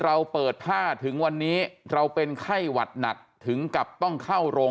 เราเปิดผ้าถึงวันนี้เราเป็นไข้หวัดหนักถึงกับต้องเข้าโรง